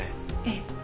ええ。